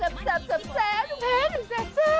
มาเลย